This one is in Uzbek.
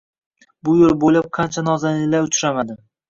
Bu yo‘l bo‘ylab qancha nozaninlar uchramadi